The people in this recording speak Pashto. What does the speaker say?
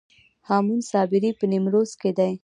هامون صابري په نیمروز کې دی